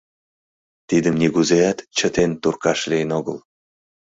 Тидым нигузеат чытен туркаш лийын огыл.